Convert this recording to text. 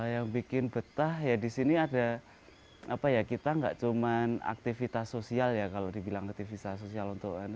yang bikin betah ya di sini ada kita gak cuma aktivitas sosial ya kalau dibilang aktivitas sosial untuk ini